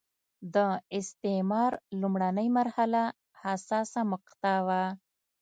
د استعمار لومړنۍ مرحله حساسه مقطعه وه.